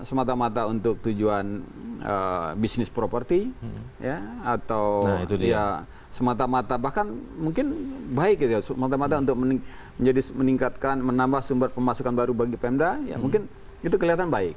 semata mata untuk tujuan bisnis properti atau ya semata mata bahkan mungkin baik itu semata mata untuk meningkatkan menambah sumber pemasukan baru bagi pemda ya mungkin itu kelihatan baik